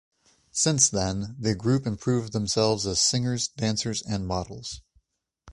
Since then, the group improved themselves as singers, dancers and models.